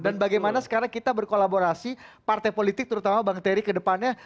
dan bagaimana sekarang kita berkolaborasi partai politik terutama bang terry ke depannya